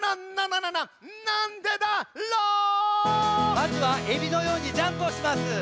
まずはエビのようにジャンプをします。